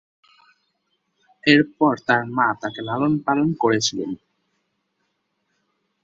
এরপর তাঁর মা তাঁকে লালন-পালন করেছিলেন।